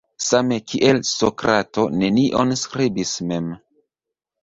Same kiel Sokrato nenion skribis mem.